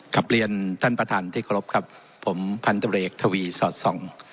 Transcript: กลับเรียนท่านประธานที่เคารพครับผมพันธบริกทวีสอดส่อง